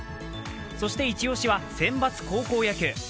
そしてイチ押しは選抜高校野球。